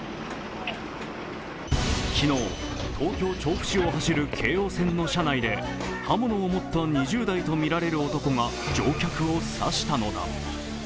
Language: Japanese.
昨日、東京・調布市を走る京王線の車内で刃物を持った２０代と見られる男が、乗客を刺したのだ。